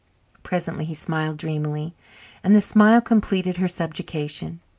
Presently he smiled dreamily, and the smile completed her subjugation.